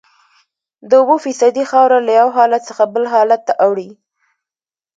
د اوبو فیصدي خاوره له یو حالت څخه بل حالت ته اړوي